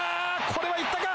これはいったか。